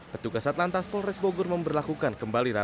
petugas saat lantas polres bogor memperlakukan kembali larangan